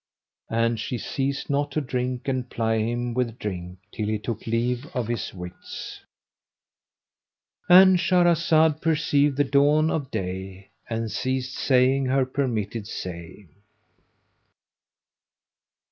And she ceased not to drink and ply him with drink, till he took leave of his wits,—And Shahrazad perceived the dawn of day, and ceased saying her permitted say.